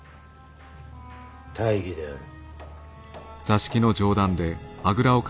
大儀である。